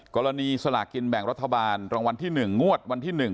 กรณีสลากินแบ่งรัฐบาลรองวัลที่หนึ่งงวดวันที่หนึ่ง